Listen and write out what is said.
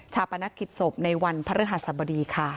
ชาปณะกิจศพในวันพระฤทธิ์ศัพท์บดีค่ะ